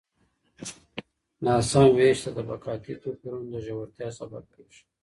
ناسم وېش د طبقاتي توپیرونو د ژورتیا سبب کیږي.